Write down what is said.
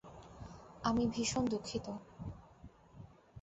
আমি ভীষণ দুঃখিত।